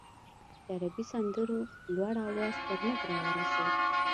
د عربي سندرو لوړ اواز تر موږ راورسېد.